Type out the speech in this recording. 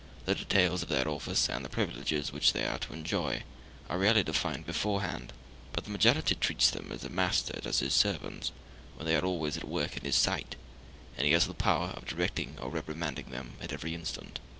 The details of their office and the privileges which they are to enjoy are rarely defined beforehand; but the majority treats them as a master does his servants when they are always at work in his sight, and he has the power of directing or reprimanding them at every instant.